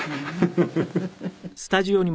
フフフフ。